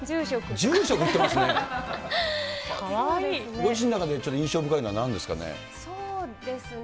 ご自身の中で、ちょっと印象深いのはなんですかね。